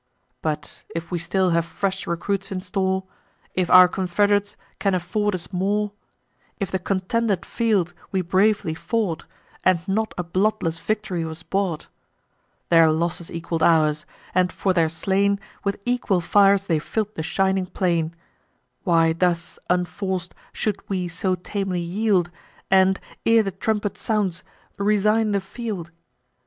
But, if we still have fresh recruits in store, If our confederates can afford us more; If the contended field we bravely fought, And not a bloodless victory was bought; Their losses equal'd ours; and, for their slain, With equal fires they fill'd the shining plain; Why thus, unforc'd, should we so tamely yield, And, ere the trumpet sounds, resign the field?